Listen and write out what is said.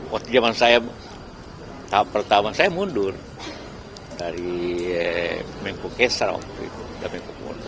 pada zaman pertama saya mundur dari menko keser dan menko murni